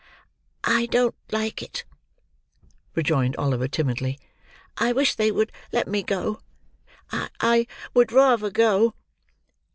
"I don't like it," rejoined Oliver, timidly; "I wish they would let me go. I—I—would rather go."